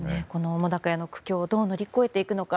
澤瀉屋の苦境をどう乗り越えていくのか。